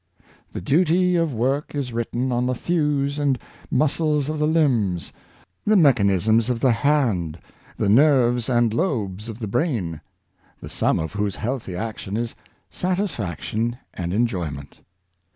The duty of work is written on the thews and muscles of the limbs, the mechanism of the hand, the nerves and lobes of the brain — the sum of whose healthy action is satisfaction and enjoyment.